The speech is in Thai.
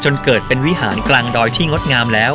จนเกิดเป็นวิหารกลางดอยที่งดงามแล้ว